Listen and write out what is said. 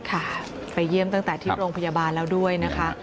ค่ะไปเยี่ยมตั้งแต่ที่โรงพยาบาลแล้วด้วยนะคะ